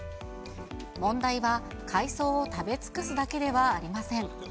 問題は、海藻を食べ尽くすだけではありません。